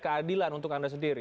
keadilan untuk anda sendiri